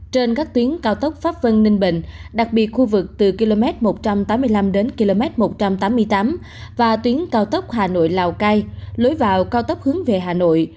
trên các tuyến cao tốc pháp vân ninh bình đặc biệt khu vực từ km một trăm tám mươi năm đến km một trăm tám mươi tám và tuyến cao tốc hà nội lào cai lối vào cao tốc hướng về hà nội